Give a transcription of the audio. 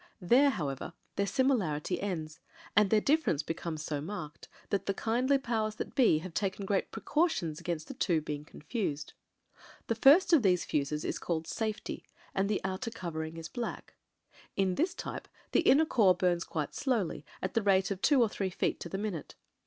There, however, their similarity ends ; and their difference beccMnes so marked that the kindly powers that be have taken great precautions against the two being confused. The first of these fuzes is called Safety — ^and the outer covering is black. In this type the inner core bums quite slowly at the rate of two or three feet to the minute.